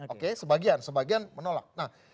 oke sebagian menolak